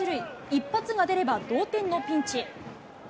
一発が出れば同点のピンチ。